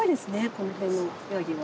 この辺のヤギは。